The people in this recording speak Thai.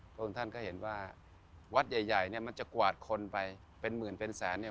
พระองค์ท่านก็เห็นว่าวัดใหญ่เนี่ยมันจะกวาดคนไปเป็นหมื่นเป็นแสนเนี่ย